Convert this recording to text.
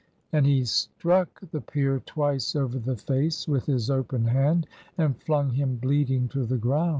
And he struck the peer twice over the face with his open hand, and flung him bleeding to the ground.